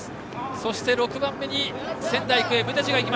そして、６番目に仙台育英のムテチ。